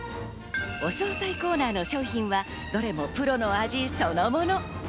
お惣菜コーナーの商品はどれもプロの味そのもの。